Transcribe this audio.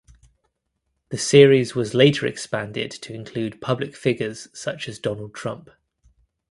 The series was later expanded to include public figures such as Donald Trump.